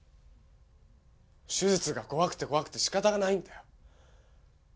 手術が怖くて怖くて仕方ないんだよ